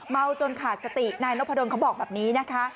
จนขาดสตินายนพดลเขาบอกแบบนี้นะคะ